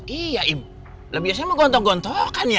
iya ibu lebih biasanya mau gontok gontokan ya